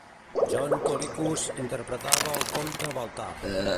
John Colicos interpretava el comte Baltar.